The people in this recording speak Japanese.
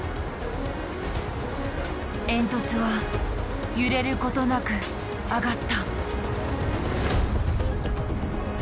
煙突は揺れることなく上がった。